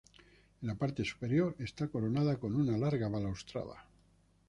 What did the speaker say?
En la parte superior, está coronada con una larga balaustrada.